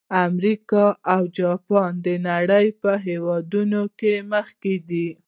امریکا او جاپان د نړۍ په هېوادونو کې مخکې دي.